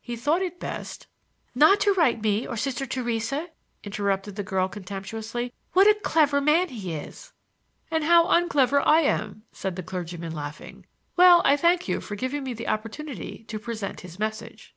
He thought it best—" "Not to write to me or to Sister Theresa!" interrupted the girl contemptuously. "What a clever man he is!" "And how unclever I am!" said the clergyman, laughing. "Well, I thank you for giving me the opportunity to present his message."